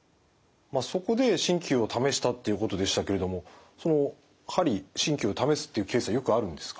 まあそこで鍼灸を試したっていうことでしたけれども鍼鍼灸を試すっていうケースはよくあるんですか？